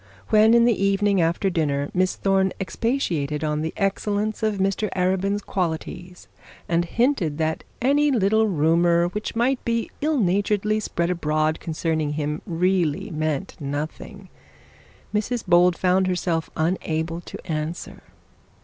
When in the evening after dinner Miss Thorne expatiated on the excellence of Mr Arabin's qualities, she hinted that any little rumour which might be ill naturedly spread abroad concerning him really meant nothing, Mrs Bold found herself unable to answer.